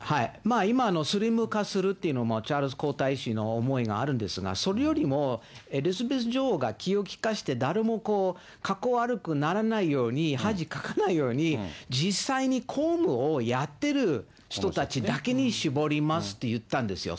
今、スリム化するっていうのも、チャールズ皇太子の思いもあるんですが、それよりもエリザベス女王が気を利かせて、誰もかっこ悪くならないように、恥かかないように、実際に公務をやってる人たちだけに絞りますって言ったんですよ。